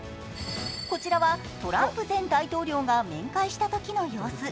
こちらはトランプ前大統領が面会したときの様子。